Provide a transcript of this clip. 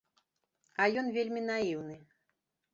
А ён вельмі наіўны.